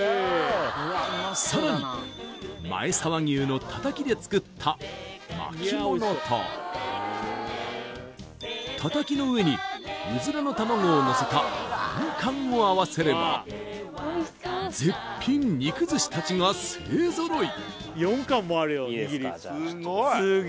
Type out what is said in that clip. さらに前沢牛のたたきで作った巻物とたたきの上にうずらの卵をのせた軍艦を合わせれば絶品肉寿司達が勢ぞろいいいですか？